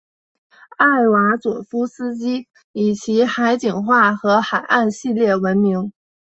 艾瓦佐夫斯基以其海景画和海岸系列闻名。